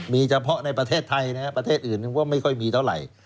มีเฉพาะในประเทศไทยนะครับประเทศอื่นก็ไม่ค่อยมีเท่าไหร่